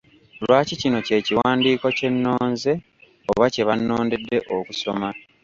Lwaki kino kye kiwandiiko kye nnonze oba kye bannondedde okusoma?